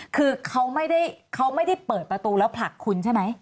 คือเขาไม่ได้เปิดประตูแล้วผลักคุณใช่ไหม